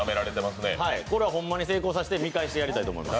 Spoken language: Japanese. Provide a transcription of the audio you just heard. これはホンマに成功させて見返してやりたいと思います。